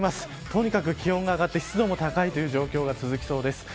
とにかく気温が上がって湿度も高い状況が続きそうです。